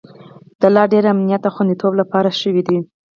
د لا ډیر امنیت او خوندیتوب لپاره شوې ده